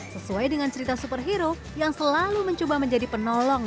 sesuai dengan cerita superhero yang selalu mencoba menjadi penolong